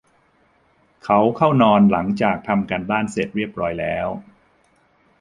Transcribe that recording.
เขาเข้านอนหลังจากทำการบ้านเสร็จเรียบร้อยแล้ว